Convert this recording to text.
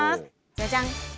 じゃじゃん！